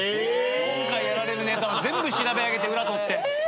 今回やられるネタは全部調べ上げて裏取って。